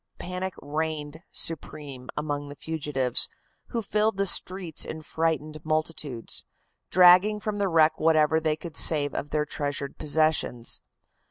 Panic reigned supreme among the fugitives, who filled the streets in frightened multitudes, dragging from the wreck whatever they could save of their treasured possessions.